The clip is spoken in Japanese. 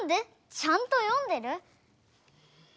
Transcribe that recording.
ちゃんと読んでる？